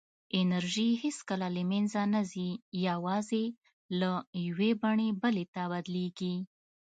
انرژي هېڅکله له منځه نه ځي، یوازې له یوې بڼې بلې ته بدلېږي.